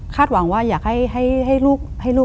คาดหวังว่าอยากให้ลูก